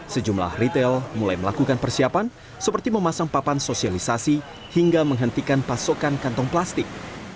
sejumlah retail mulai melakukan persiapan seperti memasang papan sosialisasi hingga menghentikan pasokan kantong plastik